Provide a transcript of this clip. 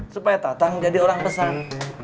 supaya tatang jadi orang pesan